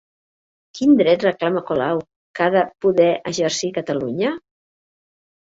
Quin dret reclama Colau que ha de poder exercir Catalunya?